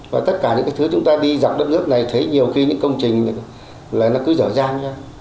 và tất cả những thứ chúng ta đi dọc đất nước này thấy nhiều khi những công trình là nó cứ dở dang ra